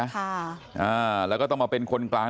ค่ะอ่าแล้วก็ต้องมาเป็นคนกลาง